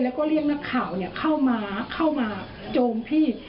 แล้วก็เรียกนักข่าวเข้ามาเข้ามาโจมพี่